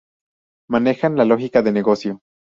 Manejan la lógica de negocio.